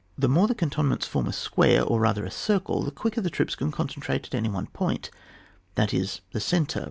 The more the cantonments form a square, or rather a circle, the quicker the troops can concentrate at one point, that is the centre.